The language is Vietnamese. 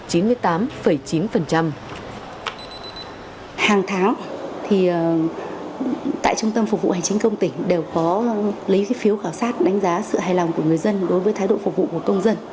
hàng tháng tại trung tâm phục vụ hành chính công tỉnh đều có lấy phiếu khảo sát đánh giá sự hài lòng của người dân đối với thái độ phục vụ của công dân